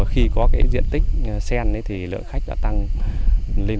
khi có diện tích sen lượng khách đã tăng lên